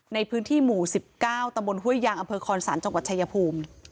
ในพื้นที่หมู่๑๙ตฮวยางอครสรรค์จังหวัดชายภูมิ